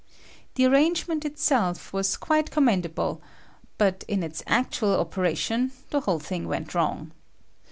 The arrangement itself was quite commendable, but in its actual operation the whole thing went wrong.